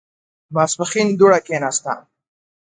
ماسپښين دوړه کېناسته.